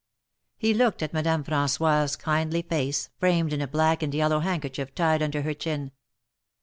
He looked at Madame Frangois' kindly face, framed in a black and yellow handkerchief tied under her chin.